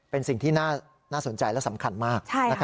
เป็นสิ่งที่น่าสนใจและสำคัญมาก